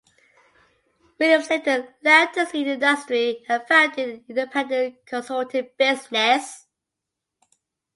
Williams later left the seed industry and founded an independent consulting business.